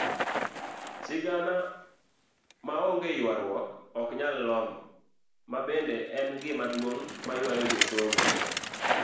Sigana monge yuaruok okanyal lombo mabende en gima duong' mayuayo josomo.